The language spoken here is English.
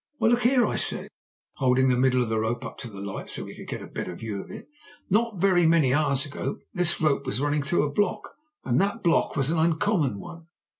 "Why, look here," I said, holding the middle of the rope up to the light, so that we could get a better view of it. "Not very many hours ago this rope was running through a block, and that block was an uncommon one."